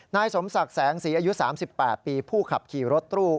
นายสมศักดิ์แสงสีอายุ๓๘ปีผู้ขับขี่รถตู้